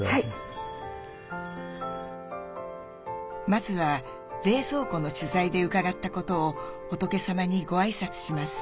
まずは冷蔵庫の取材で伺ったことを仏様にご挨拶します。